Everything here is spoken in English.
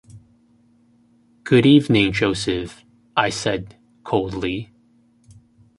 Good-evening, Joseph,’ I said, coldly.